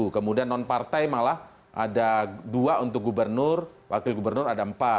kemudian non partai malah ada dua untuk gubernur wakil gubernur ada empat